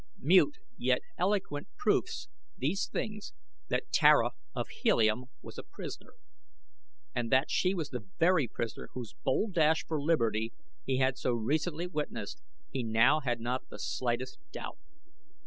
Mute yet eloquent proofs, these things, that Tara of Helium was a prisoner, and that she was the very prisoner whose bold dash for liberty he had so recently witnessed he now had not the slightest doubt.